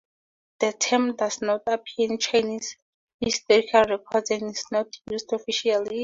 The term does not appear in Chinese historical records and is not used officially.